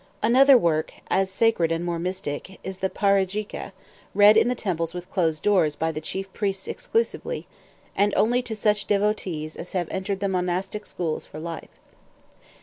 Another work, as sacred and more mystic, is the "Parajikâ," read in the temples with closed doors by the chief priests exclusively, and only to such devotees as have entered the monastic schools for life.